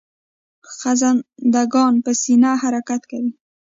خزنده ګان په سینه حرکت کوي